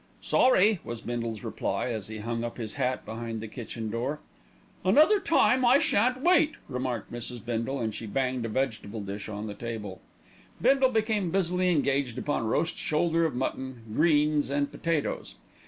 "Sorry!" was Bindle's reply as he hung up his hat behind the kitchen door. "Another time I shan't wait," remarked Mrs. Bindle, as she banged a vegetable dish on the table. Bindle became busily engaged upon roast shoulder of mutton, greens and potatoes.